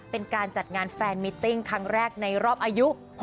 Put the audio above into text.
เป็นการจัดงานแฟนมิตติ้งครั้งแรกในรอบอายุ